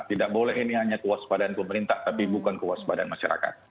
tidak boleh ini hanya kewaspadaan pemerintah tapi bukan kewaspadaan masyarakat